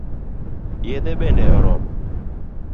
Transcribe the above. Yedhe bende oromo?